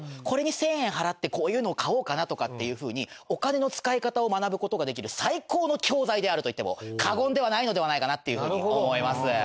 これに１０００円払ってこういうのを買おうかなとかっていう風にお金の使い方を学ぶ事ができる最高の教材であると言っても過言ではないのではないかなっていう風に思います。